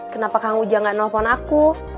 kenapa kamu udah gak nelfon aku